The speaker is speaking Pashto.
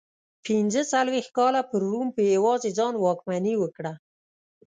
پنځه څلوېښت کاله پر روم په یوازې ځان واکمني وکړه